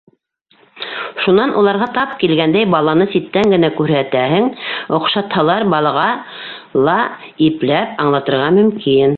Шунан уларға тап килгәндәй баланы ситтән генә күрһәтәһең, оҡшатһалар, балаға ла ипләп аңлатырға мөмкин.